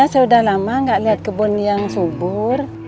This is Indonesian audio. sudah lama nggak lihat kebun yang subur